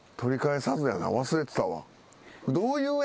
忘れてたわ。